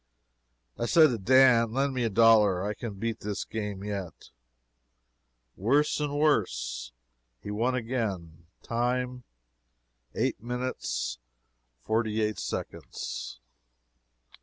I said to Dan, "Lend me a dollar I can beat this game, yet." Worse and worse. He won again. Time, eight minutes, forty eight seconds.